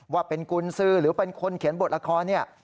ว่าเป็นกุญสือหรือเป็นคนเขียนบทละครเนี่ย